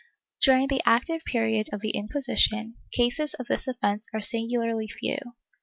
^ During the active period of the Inquisition, cases of this offence are singularly few.